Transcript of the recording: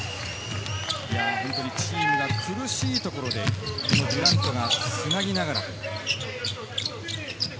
チームが苦しいところで、デュラントがつなぎながら。